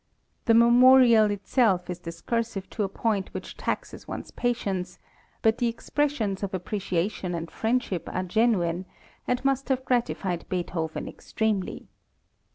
The memorial itself is discursive to a point which taxes one's patience, but the expressions of appreciation and friendship are genuine, and must have gratified Beethoven extremely.